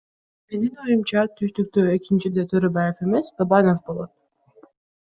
Менин оюмча түштүктө экинчиде Төрөбаев эмес Бабанов болот.